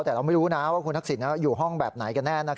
แต่เราไม่รู้นะว่าคุณทักษิณอยู่ห้องแบบไหนกันแน่